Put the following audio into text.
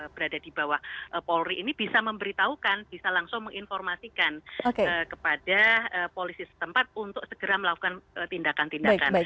berada di bawah polri ini bisa memberitahukan bisa langsung menginformasikan kepada polisi setempat untuk segera melakukan tindakan tindakan